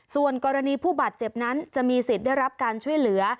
ส่วนกรณีผู้บาดเจ็บนั้นจะมีสิทธิ์ได้รับการช่วยเหลือ